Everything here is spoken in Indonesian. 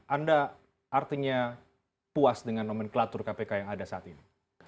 anda artinya puas dengan nomenklatur kpk yang ada saat ini